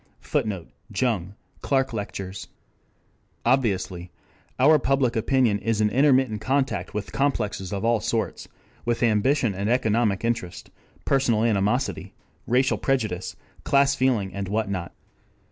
[Footnote: Jung, Clark Lectures.] Obviously our public opinion is in intermittent contact with complexes of all sorts; with ambition and economic interest, personal animosity, racial prejudice, class feeling and what not.